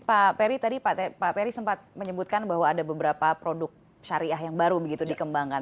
pak ferry tadi sempat menyebutkan bahwa ada beberapa produk sariah yang baru dikembangkan